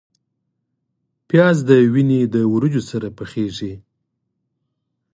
پیاز د وینې د وریجو سره پخیږي